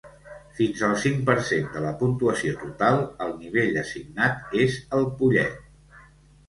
Fins al cinc per cent de la puntuació total, el nivell assignat és el pollet.